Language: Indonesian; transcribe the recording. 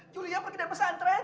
julia pergi dari pesantren